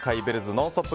「ノンストップ！」